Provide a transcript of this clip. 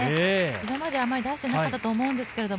今まであまり出してなかったと思うんですけど